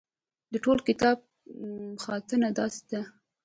د ټول کتاب خاتمه داسې ده.